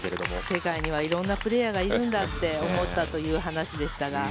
世界には色んなプレーヤーがいるんだと思ったという話でしたが。